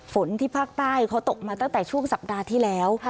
ฝนที่ภาคใต้เขาตกมาตั้งแต่ช่วงสัปดาห์ที่แล้ว